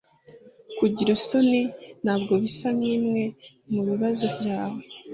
Kugira isoni ntabwo bisa nkimwe mubibazo byawe